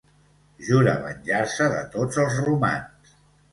Jura venjar-se de tots els romans.